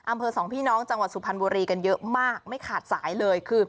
อำเภอสองพี่น้องจังหวัดสุพรรณบุรีกันเยอะมากไม่ขาดสายเลยคือ